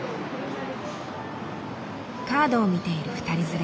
カードを見ている２人連れ。